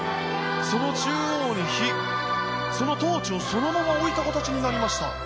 その中央に火そのトーチをそのまま置いた形になりました。